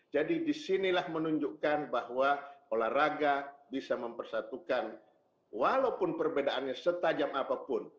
jadi disinilah menunjukkan bahwa olahraga bisa mempersatukan walaupun perbedaannya setajam apapun